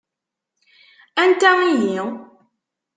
Anta ihi?